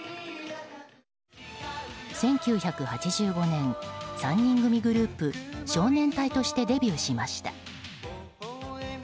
１９８５年３人組グループ、少年隊としてデビューしました。